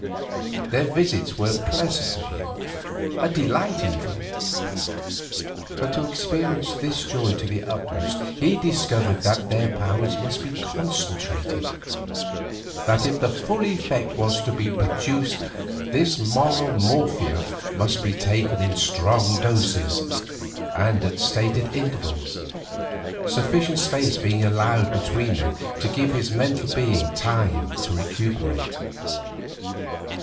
Their visits were pleasant to him, a delight even; but to experience this joy to the utmost he discovered that their power must be concentrated; that if the full effect was to be produced this moral morphia must be taken in strong doses, and at stated intervals, sufficient space being allowed between them to give his mental being time to recuperate.